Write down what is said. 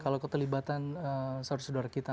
kalau keterlibatan saudara saudara kita